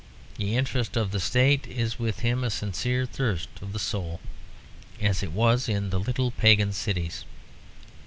The interest of the State is with him a sincere thirst of the soul, as it was in the little pagan cities.